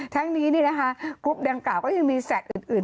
ทั้งนี้เนี่ยนะคะกรุ๊ปดังกล่าวก็ยังมีสัตว์อื่น